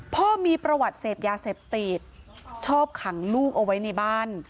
พ่อมีประวัติเสพยาเสพติดชอบขังลูกเอาไว้ในบ้าน